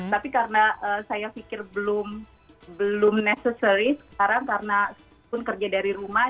tapi karena saya pikir belum necessary sekarang karena pun kerja dari rumah